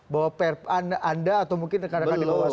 bahwa perku anda atau mungkin rekan rekan di bawah aslo sendiri belum